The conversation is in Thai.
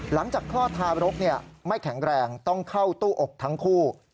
คลอดทารกไม่แข็งแรงต้องเข้าตู้อกทั้งคู่